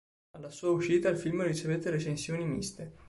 Alla sua uscita il film ricevette recensioni miste.